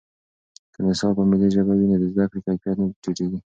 که نصاب په ملي ژبه وي، د زده کړې کیفیت نه ټیټېږي.